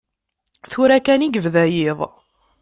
Tura kan i yebda yiḍ.